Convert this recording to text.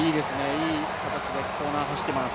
いい形でコーナー走ってます。